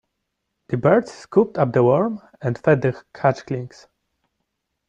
The bird scooped up the worm and fed the hatchlings.